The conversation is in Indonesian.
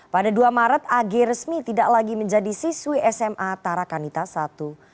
pada dua maret ag resmi tidak lagi menjadi siswi sma tarakanita i